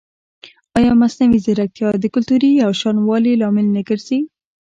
ایا مصنوعي ځیرکتیا د کلتوري یوشان والي لامل نه ګرځي؟